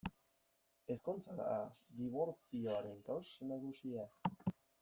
Ezkontza da dibortzioaren kausa nagusia.